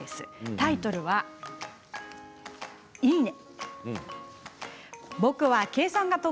タイトルは「いいね」。